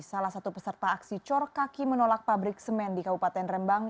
salah satu peserta aksi cor kaki menolak pabrik semen di kabupaten rembang